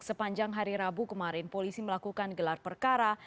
sepanjang hari rabu kemarin polisi melakukan gelar perkara